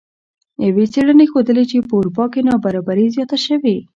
یوې څیړنې ښودلې چې په اروپا کې نابرابري زیاته شوې